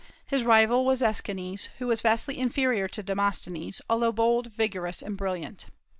His rival was Aeschines, who was vastly inferior to Demosthenes, although bold, vigorous, and brilliant.